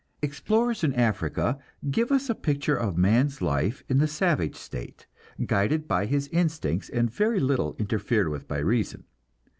Explorers in Africa give us a picture of man's life in the savage state, guided by his instincts and very little interfered with by reason.